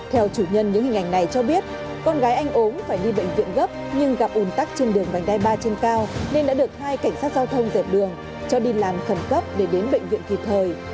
theo chủ nhân những hình ảnh này cho biết con gái anh ốm phải đi bệnh viện gấp nhưng gặp ủn tắc trên đường vành đai ba trên cao nên đã được hai cảnh sát giao thông dẹp đường cho đi làm khẩn cấp để đến bệnh viện kịp thời